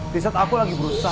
di saat aku lagi berusaha